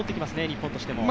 日本としても。